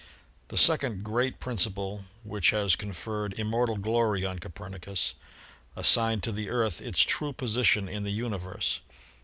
The second great principle, which has conferred immor tal glory upon Copernicus, assigned to the Earth its true position in the universe.